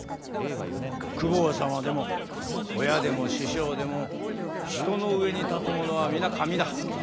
公方様でも親でも師匠でも人の上に立つものは皆上だ。